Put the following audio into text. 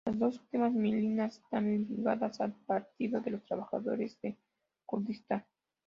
Las dos últimas milicias están ligadas al Partido de los Trabajadores de Kurdistán.